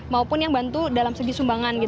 maupun yang bantu dalam segi sumbangan